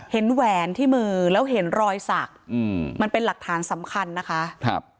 แหวนที่มือแล้วเห็นรอยสักอืมมันเป็นหลักฐานสำคัญนะคะครับ